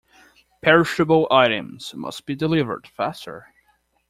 Perishable items must be delivered faster.